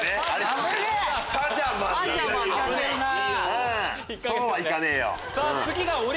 危ねぇそうはいかねえよ。